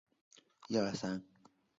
潘泰尔维勒人口变化图示